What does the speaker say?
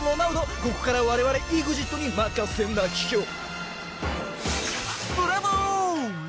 ここから我々ＥＸＩＴに任せな！